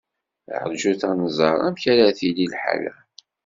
Rjut ad nẓer amek ara tili lḥala.